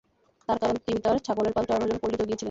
তার কারণ, তিনি তাঁর ছাগলের পাল চড়ানোর জন্য পল্লীতে গিয়েছিলেন।